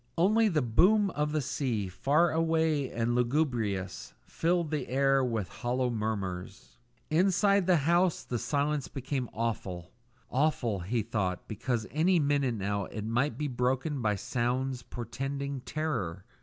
Only the boom of the sea, far away and lugubrious, filled the air with hollow murmurs. Inside the house the silence became awful; awful, he thought, because any minute now it might be broken by sounds portending terror.